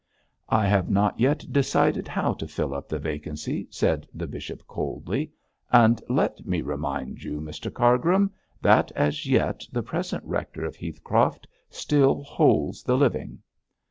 'I have not yet decided how to fill up the vacancy,' said the bishop, coldly, 'and let me remind you, Mr Cargrim, that as yet the present rector of Heathcroft still holds the living.'